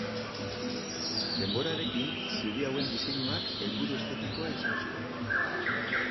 Denborarekin zubi hauen diseinuak helburu estetikoa izan zuen.